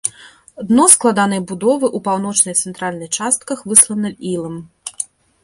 Дно складанай будовы, у паўночнай і цэнтральнай частках выслана ілам.